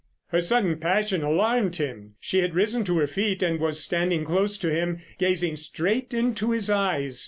Her sudden passion alarmed him. She had risen to her feet and was standing close to him, gazing straight into his eyes.